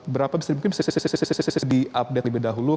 berapa bisa mungkin bisa diupdate lebih dahulu